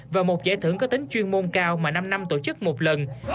và một giải thưởng có tính chuyên môn cao mà năm năm tổ chức một lần